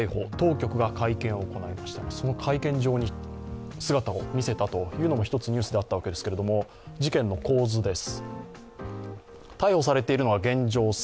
その会見場に姿を見せたというのも１つニュースだったわけですが、事件の構図です。